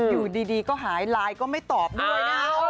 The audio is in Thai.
อยู่ดีก็หายไลน์ก็ไม่ตอบด้วยนะ